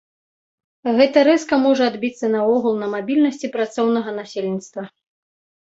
Гэта рэзка можа адбіцца наогул на мабільнасці працоўнага насельніцтва.